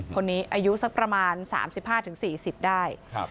คนนี้อายุสักประมาณสามสิบห้าถึงสี่สิบได้ครับ